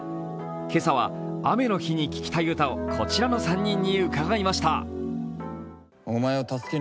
今朝は雨の日に聴きたい歌をこちらの３人に伺いました。